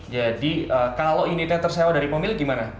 jadi kalau unitnya tersewa dari pemilik gimana